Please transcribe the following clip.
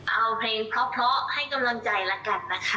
เอาเพลงเพราะให้กำลังใจละกันนะคะ